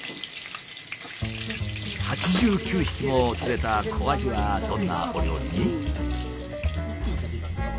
８９匹も釣れた小アジはどんなお料理に？